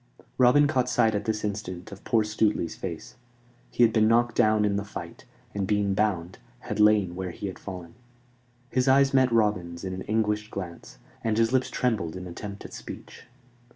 Robin caught sight at this instant of poor Stuteley's face. He had been knocked down in the fight, and, being bound, had lain where he had fallen. His eyes met Robin's in an anguished glance, and his lips trembled in attempt at speech.